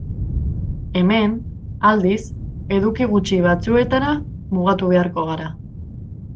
Hemen, aldiz, eduki gutxi batzuetara mugatu beharko gara.